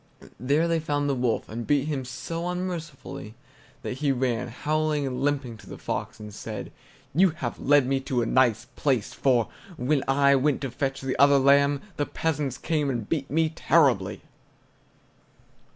There they found the wolf, and beat him so unmercifully that he ran, howling and limping, to the fox, and said: "You have led me to a nice place, for, when I went to fetch the other lamb, the peasants came and beat me terribly!"